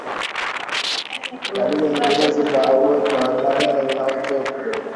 Dalili nyinginezo za ugonjwa wa ndigana baridi ni uchovu